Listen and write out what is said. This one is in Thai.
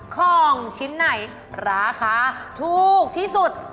ของชิ้นไหนราคาถูกที่สุด